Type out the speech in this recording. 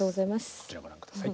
こちらご覧下さい。